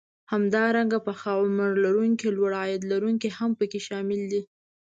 همدارنګه پخه عمر لرونکي لوړ عاید لرونکي هم پکې شامل دي